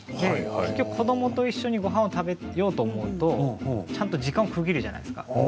子どもと一緒にごはんを食べようと思うと、ちゃんと時間を区切るじゃないですか。